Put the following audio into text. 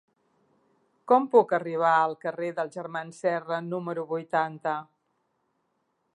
Com puc arribar al carrer dels Germans Serra número vuitanta?